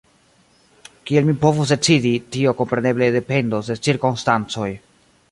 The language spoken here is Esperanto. Kiel mi povus decidi, tio kompreneble dependos de cirkonstancoj.